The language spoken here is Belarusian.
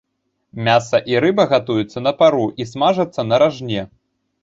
Мяса і рыба гатуюцца на пару і смажацца на ражне.